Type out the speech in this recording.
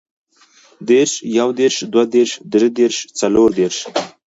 دېرش، يودېرش، دوهدېرش، دريدېرش، څلوردېرش